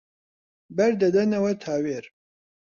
بەر دەدەنەوە تاوێر